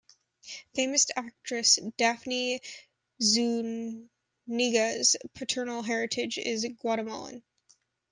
Famous actress Daphne Zuniga's paternal heritage is Guatemalan.